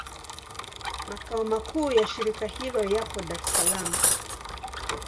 Makao makuu ya shirika hilo yapo Dar es Salaam.